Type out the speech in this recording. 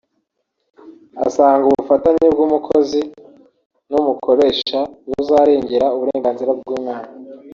Asanga ubufatanye bw’umukozi n’umukoresha buzarengera uburenganzira bw’umwana